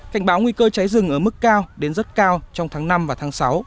cảnh báo nguy cơ cháy rừng ở mức cao đến rất cao trong tháng năm và tháng sáu